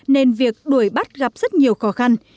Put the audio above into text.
nên việc đuổi bắt gặp rất nhiều khó khăn